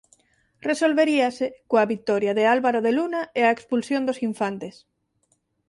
Resolveríase coa vitoria de Álvaro de Luna e a expulsión dos infantes.